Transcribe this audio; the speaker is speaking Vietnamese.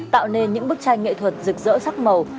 tạo nên những bức tranh nghệ thuật rực rỡ sắc màu